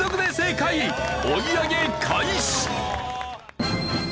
追い上げ開始！